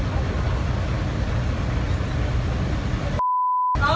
อ๋อไม่ได้หรอ